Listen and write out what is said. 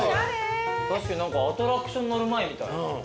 確かにアトラクション乗る前みたい。